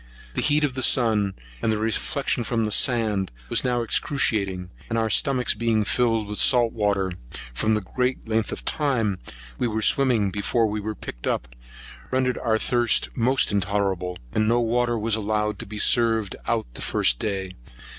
The heat of the sun, and the reflection from the sand, was now excruciating; and our stomachs being filled with salt water, from the great length of time we were swimming before we were picked up, rendered our thirst most intolerable; and no water was allowed to be served out the first day.